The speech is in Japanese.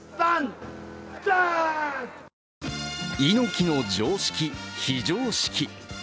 猪木の常識非常識。